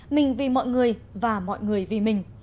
mình vì mọi người và mọi người vì mình